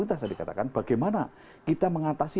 lintas yang dikatakan bagaimana kita mengatasi